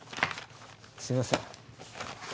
すいません。